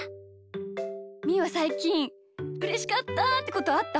みーはさいきんうれしかったってことあった？